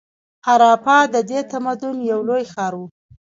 هراپا د دې تمدن یو لوی ښار و.